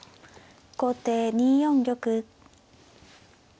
後手２四玉。